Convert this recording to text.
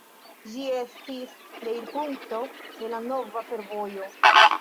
Ĝi estis deirpunkto de la nova fervojo.